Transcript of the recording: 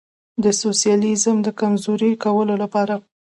د سوسیالیزم د کمزوري کولو لپاره.